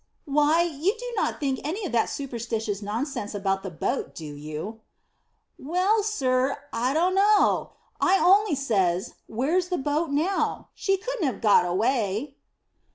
Why, you do not think any of that superstitious nonsense about the boat, do you?" "Well, sir, I dunno. I only says, Where's the boat now? She couldn't have got away."